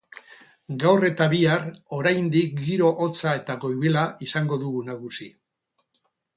Gaur eta bihar oraindik giro hotza eta goibela izango dugu nagusi.